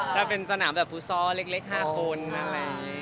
ถ้าเป็นสนามแบบฟุตซอลเล็ก๕คนอะไรอย่างนี้